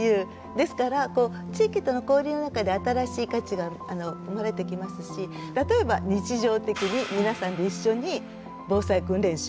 ですから地域との交流の中で新しい価値が生まれてきますし例えば日常的に皆さんで一緒に防災訓練しようと。